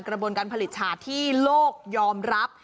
กระบวนการผลิตฉาที่โลกยอมรับ